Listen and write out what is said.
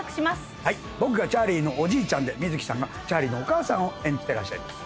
僕がチャーリーのおじいちゃんで観月さんがチャーリーのお母さんを演じてらっしゃいます。